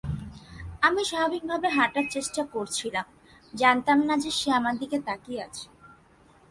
আমি স্বাভাবিক ভাবে হাঁটার চেষ্টা করছিলাম, জানতাম যে সে আমার দিকে তাকিয়ে আছে।